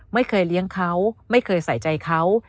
ไม่เคยเลี้ยงเขาไม่เคยใส่ใจเขา